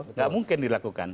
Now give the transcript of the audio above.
tidak mungkin dilakukan